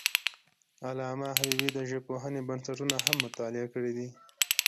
علامه حبیبي د ژبپوهنې بنسټونه هم مطالعه کړي دي.